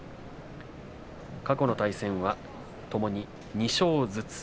過去の対戦は、ともに２勝ずつ。